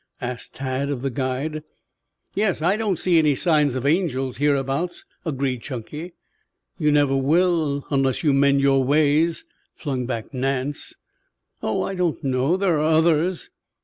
asked Tad of the guide. "Yes, I don't see any signs of angels hereabouts," agreed Chunky. "You never will unless you mend your ways," flung back Nance. "Oh, I don't know. There are others."